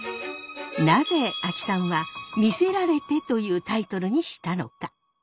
なぜ阿木さんは「魅せられて」というタイトルにしたのか。